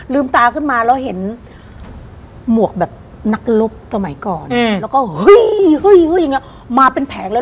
ลืมตาขึ้นมาเราเห็นหมวกแบบนักรบต่อใหม่ก่อนแล้วก็เฮ้ยอย่างเงี้ยมาเป็นแผงเลย